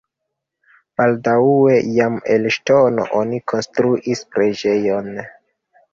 Baldaŭe jam el ŝtono oni konstruis preĝejon.